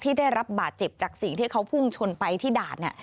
ได้รับบาดเจ็บจากสิ่งที่เขาพุ่งชนไปที่ด่าน